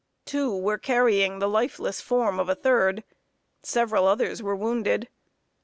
Two were carrying the lifeless form of a third; several others were wounded.